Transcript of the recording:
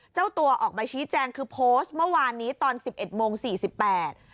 เจ้าตัวออกมาชี้แจงคือโพสต์เมื่อวานนี้ตอนสิบเอ็ดโมงสี่สิบแปด